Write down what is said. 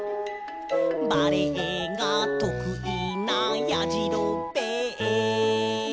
「バレエがとくいなやじろべえ」